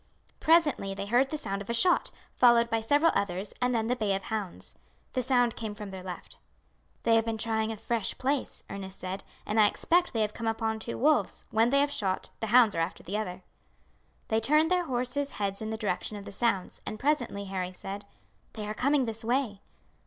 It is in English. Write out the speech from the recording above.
Presently they heard the sound of a shot, followed by several others, and then the bay of hounds. The sound came from their left. "They have been trying a fresh place," Ernest said, "and I expect they have come upon two wolves; one they have shot, the hounds are after the other." They turned their horses' heads in the direction of the sounds, and presently Harry said: "They are coming this way."